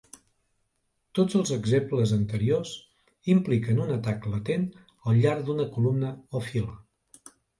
Tots els exemples anteriors impliquen un atac latent al llarg d'una columna o fila.